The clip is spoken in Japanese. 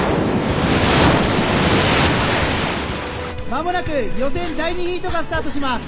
間もなく予選第２ヒートがスタートします。